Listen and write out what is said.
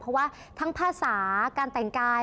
เพราะว่าทั้งภาษาการแต่งกาย